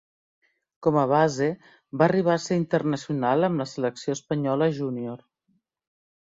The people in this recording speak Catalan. Com a base, va arribar a ser internacional amb la selecció Espanyola Júnior.